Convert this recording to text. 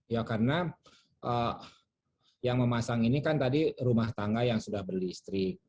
ya karena yang memasang ini kan tadi rumah tangga yang sudah berlistrik